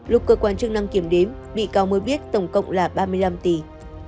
lúc cơ quan chức năng kiểm đếm bị cáo mới biết tổng cộng là ba mươi năm tỷ